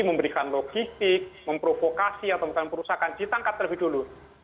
memberikan logistik memprovokasi atau memperusakkan ditangkap terlebih dulu